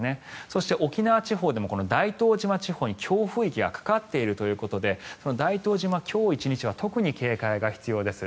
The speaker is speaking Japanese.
そして、沖縄地方でも大東島地方に強風域がかかっているということで大東島、今日１日は特に警戒が必要です。